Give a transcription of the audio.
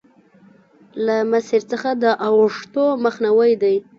له مسیر څخه د اوښتو مخنیوی دی.